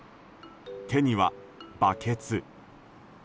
手にはバケツ。